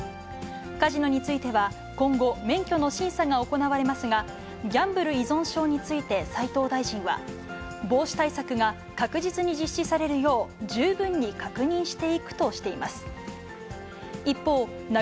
カジノについては今後、免許の審査が行われますが、ギャンブル依存症について斉藤大臣は、防止対策が確実に実施され以上、きょうコレをお伝えしました。